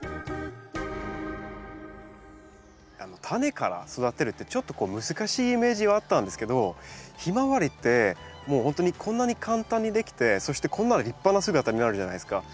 タネから育てるってちょっとこう難しいイメージはあったんですけどヒマワリってもうほんとにこんなに簡単にできてそしてこんな立派な姿になるじゃないですか。